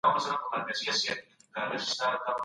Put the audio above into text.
درملنه د ژوند کيفيت ښه کوي.